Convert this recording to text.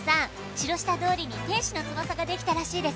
白下通りに天使の翼ができたらしいですね！」